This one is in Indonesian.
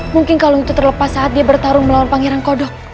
mungkin kalau itu terlepas saat dia bertarung melawan pangeran kodok